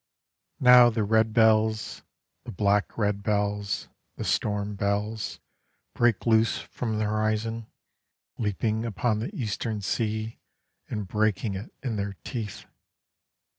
Now the red bells, The black red bells, The storm bells, Break loose from the horizon, Leaping upon the eastern sea, And breaking it in their teeth.